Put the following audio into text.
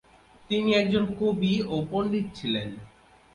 তিনি একজন কবি ও পণ্ডিত ছিলেন।